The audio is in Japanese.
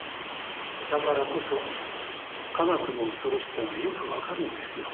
だからこそ科学の恐ろしさがよくわかるんですよ。